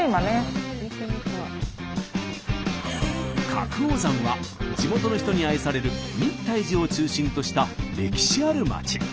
覚王山は地元の人に愛される日泰寺を中心とした歴史あるまち。